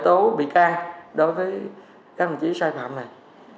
đối với các đồng chí sai phạm này